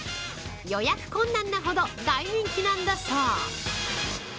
予約困難なほど大人気なんだそう。